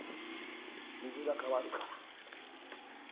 水が変わるから気ぃ